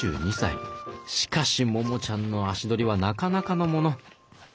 しかしモモちゃんの足取りはなかなかのもの。